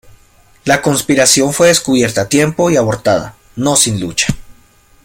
La conspiración fue descubierta a tiempo y abortada, no sin lucha.